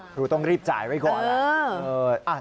ครูต้องรีบจ่ายไว้ก่อนแล้ว